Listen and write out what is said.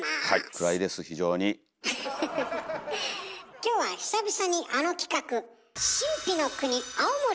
今日は久々にあの企画。